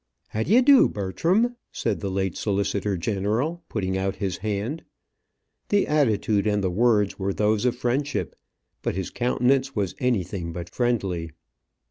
"How d'ye do, Bertram?" said the late solicitor general, putting out his hand. The attitude and the words were those of friendship, but his countenance was anything but friendly.